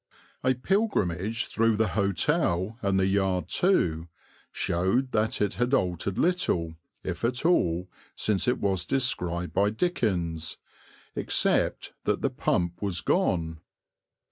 A pilgrimage through the hotel, and the yard too, showed that it had altered little, if at all, since it was described by Dickens, except that the pump was gone.